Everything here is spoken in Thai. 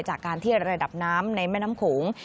จากการที่ระดับน้ำในแม่น้ำโขง